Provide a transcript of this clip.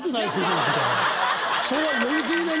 今の時代。